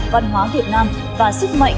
văn hóa việt nam và sức mạnh